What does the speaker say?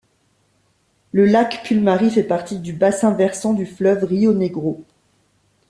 Le lac Pulmari fait partie du bassin versant du fleuve río Negro.